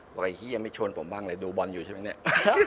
อะไรเฮียไม่ชวนผมบ้างเลยดูบอลอยู่ใช่ไหมเนี่ย